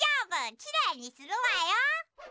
きれいにするわよ。